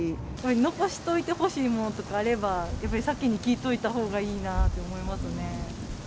残しておいてほしいものとかあれば、やっぱり先に聞いておいたほうがいいなって思いますよね。